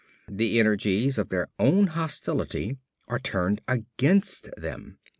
The energies of their own hostility are turned against them.